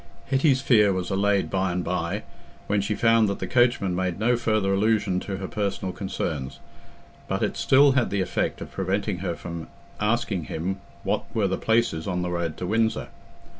Hetty's fear was allayed by and by, when she found that the coachman made no further allusion to her personal concerns; but it still had the effect of preventing her from asking him what were the places on the road to Windsor.